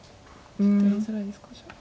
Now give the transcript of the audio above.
ちょっとやりづらいですかじゃあ。